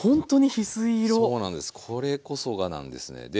これこそがなんですね。